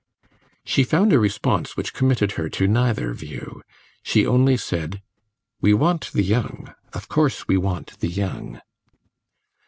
She found a response which committed her to neither view; she only said, "We want the young of course we want the young!"